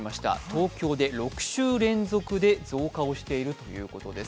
東京で６週連続で増加をしているということです。